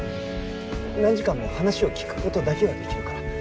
何時間も話を聞く事だけはできるから。